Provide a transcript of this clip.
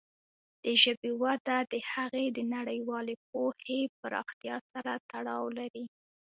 د ژبې وده د هغې د نړیوالې پوهې پراختیا سره تړاو لري.